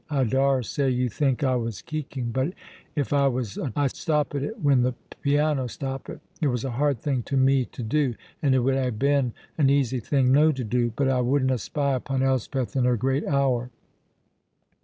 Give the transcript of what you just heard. I daursay you think I was keeking, but if I was I stoppit it when the piano stoppit; it was a hard thing to me to do, and it would hae been an easy thing no to do, but I wouldna spy upon Elspeth in her great hour."